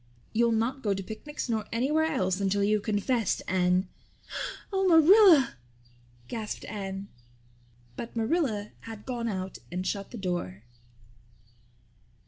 "You'll not go to picnics nor anywhere else until you've confessed, Anne." "Oh, Marilla," gasped Anne. But Marilla had gone out and shut the door.